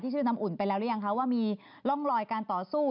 ชื่อน้ำอุ่นไปแล้วหรือยังคะว่ามีร่องรอยการต่อสู้